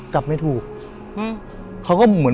กลับไม่ถูก